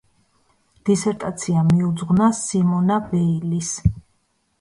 დისერტაცია მიუძღვნა სიმონა ვეილის.